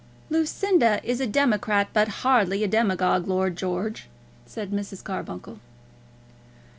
"Lucinda is a democrat, but hardly a demagogue, Lord George," said Mrs. Carbuncle.